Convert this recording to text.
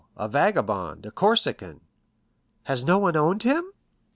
—a vagabond, a Corsican." "Has no one owned him?"